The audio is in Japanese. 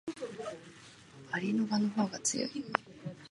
蛾の我が強い